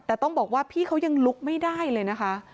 แต่ต้องบอกว่าพี่เขายังลุกไม่ได้เลยนะคะ